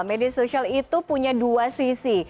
media sosial itu punya dua sisi